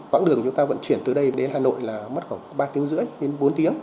quãng đường chúng ta vận chuyển từ đây đến hà nội là mất khoảng ba tiếng rưỡi đến bốn tiếng